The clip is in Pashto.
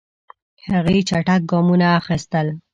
هغې چټک ګامونه اخیستل.